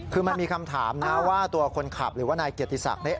คือมันมีคำถามนะว่าตัวคนขับหรือว่านายเกียรติศักดิ์